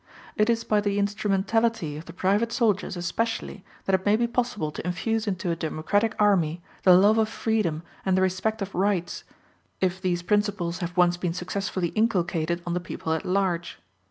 It is by the instrumentality of the private soldiers especially that it may be possible to infuse into a democratic army the love of freedom and the respect of rights, if these principles have once been successfully inculcated on the people at large.